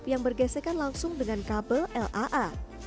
yang bergesekan langsung dengan kabel laa